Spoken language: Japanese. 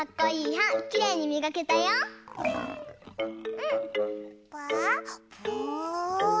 うん！